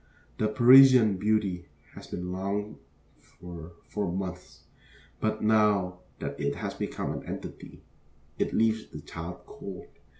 The Parisian beauty has been longed for for months, but now that it has become an entity, it leaves the child cold.